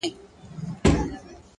هوډ د ستونزو تر شا فرصتونه لټوي،